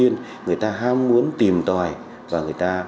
người ta ham muốn tìm tòi